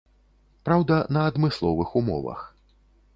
Праўда, на адмысловых умовах.